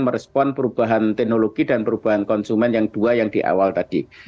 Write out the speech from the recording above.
merespon perubahan teknologi dan perubahan konsumen yang dua yang di awal tadi